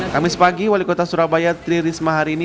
kamis pagi wali kota surabaya tri risma hari ini